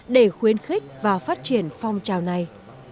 để khuyến khích và phát triển phong trào này